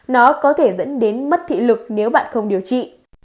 nó có thể dẫn đến mất thị lực nếu bạn không điều trị